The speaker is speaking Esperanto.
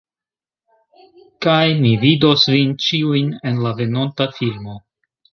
Kaj mi vidos vin ĉiujn en la venonta filmo